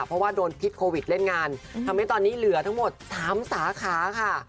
เพราะว่าโดนพิษโควิดเล่นงานทำให้ตอนนี้เหลือทั้งหมด๓สาขาค่ะ